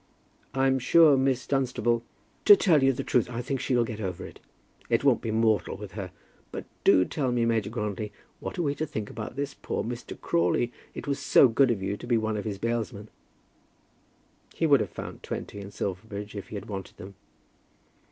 "I'm sure Miss Dunstable " "To tell you the truth, I think she'll get over it. It won't be mortal with her. But do tell me, Major Grantly, what are we to think about this poor Mr. Crawley? It was so good of you to be one of his bailsmen." "He would have found twenty in Silverbridge, if he had wanted them."